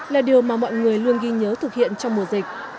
là điều mà mọi người luôn ghi nhớ thực hiện trong mùa dịch